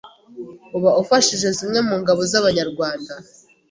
uba ufashije zimwe mu ngo z’Abanyarwanda